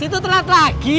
si itu telat lagi